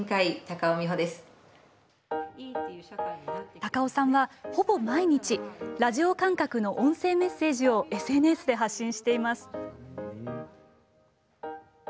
高尾さんはほぼ毎日ラジオ感覚の音声メッセージをＳＮＳで発信しています。